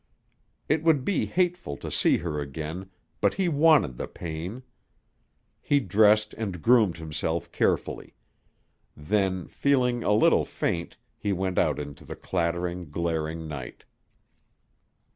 It would be hateful to see her again, but he wanted the pain. He dressed and groomed himself carefully. Then, feeling a little faint, he went out into the clattering, glaring night.